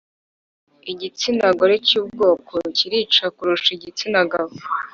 igitsina gore cyubwoko kirica kurusha igitsina gabo